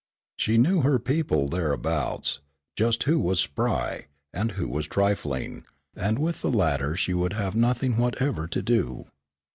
She knew her people thereabouts, just who was spry, and who was trifling, and with the latter she would have nothing whatever to do.